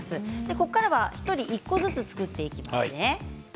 ここからは１人１個ずつ作っていきますね。